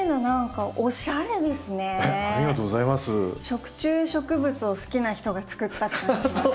食虫植物を好きな人が作ったって感じします。